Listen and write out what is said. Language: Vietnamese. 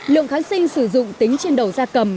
lượng kháng sinh sử dụng tính trên đầu da cầm